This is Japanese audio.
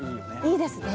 いいですね。